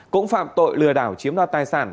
cũng phạm tội lừa đảo chiếm đoạt tài sản